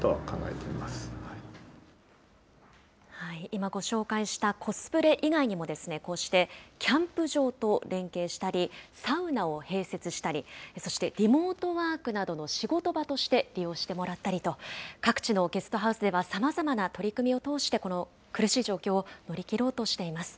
今、ご紹介したコスプレ以外にもですね、こうしてキャンプ場と連携したり、サウナを併設したり、そしてリモートワークなどの仕事場として利用してもらったりと、各地のゲストハウスでは、さまざまな取り組みを通して、この苦しい状況を乗り切ろうとしています。